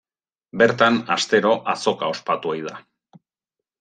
Bertan astero azoka ospatu ohi da.